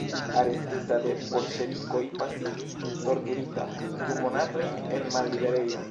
Arestita de bolŝevikoj pasigis, torturita, du monatojn en malliberejo.